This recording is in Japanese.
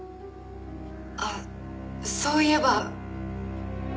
あっそういえば。